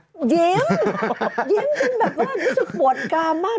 ยิ้มยิ้มจนแบบว่ารู้สึกปวดกามมาก